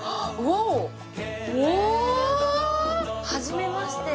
おお！はじめまして。